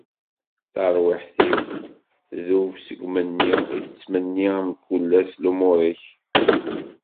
Tarwiḥt-iw tdub seg umenni i tettmenni mkul ass lumuṛ-ik.